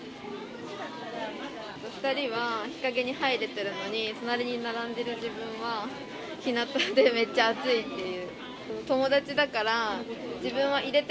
２人は日陰に入れてるのに、隣に並んでる自分はひなたでめっちゃ暑いっていう。